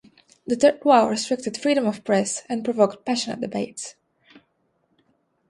The third law restricted freedom of press, and provoked passionate debates.